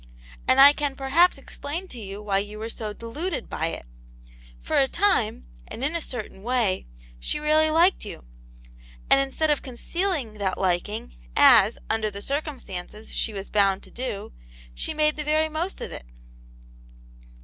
" And I can perhaps explain to you why you were so deluded by it. For the time, and in a certain way, she really liked you, and instead of concealing that liking, as, under the circumstances, she was bound to do, she made the very most of it."